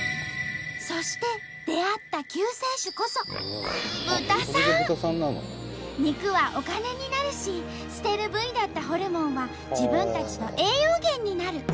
そして出会った救世主こそ肉はお金になるし捨てる部位だったホルモンは自分たちの栄養源になる。